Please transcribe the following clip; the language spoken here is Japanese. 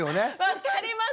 分かります！